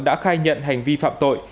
đã khai nhận hành vi phạm tội